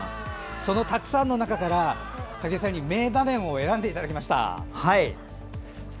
そのたくさんの中から武井さんに名場面も選んでいただきました。